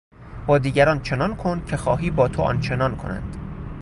با دیگران چنان کن که خواهی با تو آنچنان کنند.